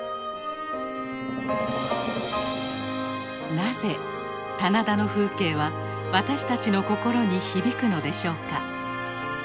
なぜ棚田の風景は私たちの心に響くのでしょうか。